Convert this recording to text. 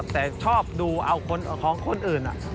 แต่ชอบดูเอาของคนอื่น